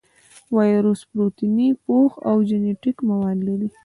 وایرس پروتیني پوښ او جینیټیک مواد لري.